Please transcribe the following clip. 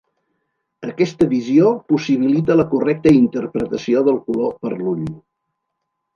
Aquesta visió possibilita la correcta interpretació del color per l'ull.